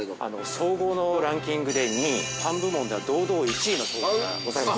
◆総合のランキングで２位、パン部門では堂々１位の商品がございます。